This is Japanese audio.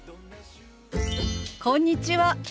こんにちは。